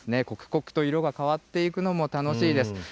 刻々と色が変わっていくのも楽しいです。